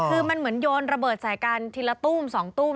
คือมันเหมือนโยนระเบิดใส่กันทีละตู้ม๒ตู้ม